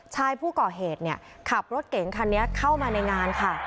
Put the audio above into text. ชายผู้ก่อเหตุขับรถเก๋งคันนี้เข้ามาในงานค่ะ